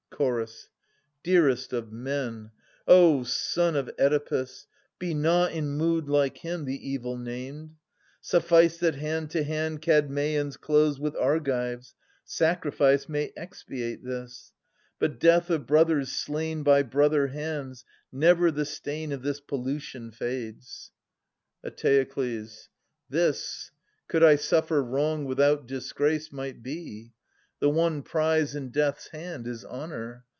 Chorus. Dearest of men — O son of Oedipus, Be not in mood like him, the evil named 1 Suffice that hand to hand Kadmeians close With Argives : sacrifice may expiate this. 680 But death of brothers slain by brother hands — Never the stain of this pollution fades. THE SE YEN A GA INST THEBES. 31 Eteokles. This, could I suffer wrong without disgrace, Might be. The one prize in death's hand is honour.